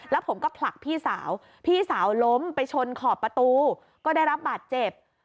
แล้วผมก็ผลักพี่สาวพี่สาวล้มไปชนขอบประตูก็ได้รับบาดเจ็บ